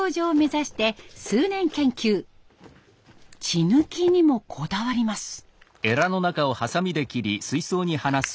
血抜きにもこだわります。